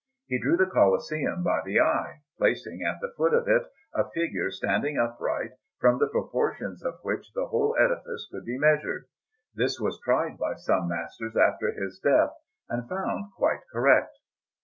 He drew the Colosseum by the eye, placing at the foot of it a figure standing upright, from the proportions of which the whole edifice could be measured; this was tried by some masters after his death, and found quite correct.